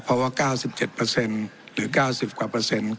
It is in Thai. เพราะว่าเก้าสิบเจ็ดเปอร์เซ็นต์หรือเก้าสิบกว่าเปอร์เซ็นต์